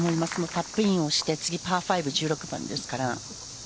カップインをして次パー５、１６番ですから。